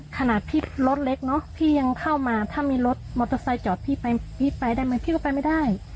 ขนาดพี่รถเล็กเนอะพี่ยังเข้ามาถ้ามีรถมอเตอร์ไซค์จอดพี่ไปพี่ไปได้ไหมพี่ก็ไปไม่ได้